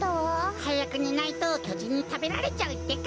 はやくねないときょじんにたべられちゃうってか？